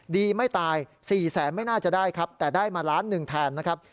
ไม่ตาย๔แสนไม่น่าจะได้ครับแต่ได้มาล้านหนึ่งแทนนะครับ